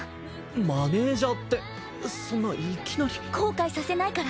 マネージャーってそんないきなり。後悔させないから。